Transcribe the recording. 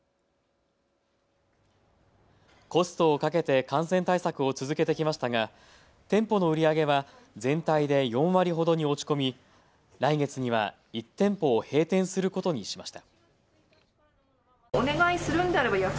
コストをかけて感染対策を続けてきましたが店舗の売り上げは全体で４割ほどに落ち込み来月には１店舗を閉店することにしました。